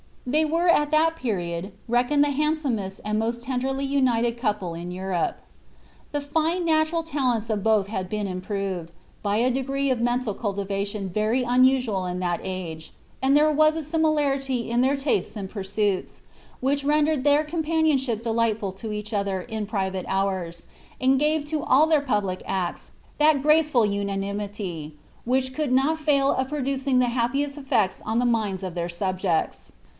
They were at that period reckonetl the liandsomest anil most tenderly unileil couple in Europe The line na .lural talents of both had been improved, by a degree of mental culliva lion ver> unusual in lliat age; and there was a similarity in their lastea id piirettits, which rendered their compaoionehip delightful to each r in private hours, and gave to all their public acta thai graceful uiia ity, which could not foil of producing the happiest eSecia oa tlie linda of their subjects.